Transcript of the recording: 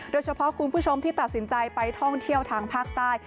คุณผู้ชมที่ตัดสินใจไปท่องเที่ยวทางภาคใต้